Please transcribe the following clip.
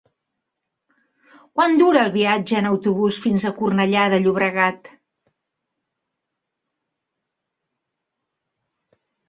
Quant dura el viatge en autobús fins a Cornellà de Llobregat?